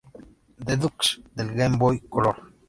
Deluxe" del Game Boy Color.